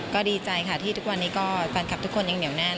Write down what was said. ก็ดีใจค่ะที่ทุกวันนี้ก็แฟนคลับทุกคนยังเหนียวแน่น